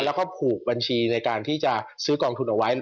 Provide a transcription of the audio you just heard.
แล้วก็ผูกบัญชีในการที่จะซื้อกองทุนเอาไว้